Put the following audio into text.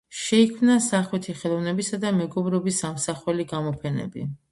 შეიქმნა სახვითი ხელოვნებისა და მეგობრობის ამსახველი გამოფენები.